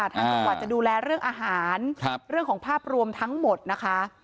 ทางจังหวัดจะดูแลเรื่องอาหารเรื่องของภาพรวมทั้งหมดนะคะ